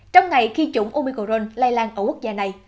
trong ngày khi chủng omicron lây lan ở quốc gia này